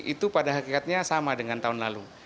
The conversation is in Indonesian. itu pada hakikatnya sama dengan tahun lalu